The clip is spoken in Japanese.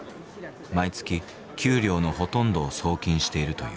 毎月給料のほとんどを送金しているという。